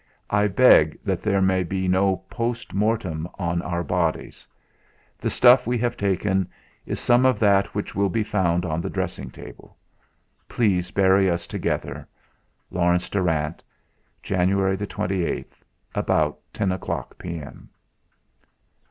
I beg that there may be no postmortem on our bodies. The stuff we have taken is some of that which will be found on the dressing table. Please bury us together. "LAURENCE DARRANT. "January the 28th, about ten o'clock p.m."